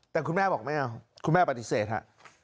แต่คุณแม่บอกไม่เอาคุณแม่ปฏิเสธฮะ